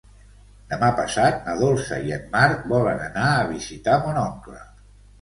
Demà passat na Dolça i en Marc volen anar a visitar mon oncle.